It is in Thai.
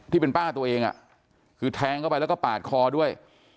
ที่เป็นป้าตัวเองคือแทงเข้าไปแล้วก็ปาดคอด้วย